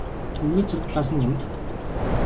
Үргэлж сөрөг талаас нь юманд ханддаг.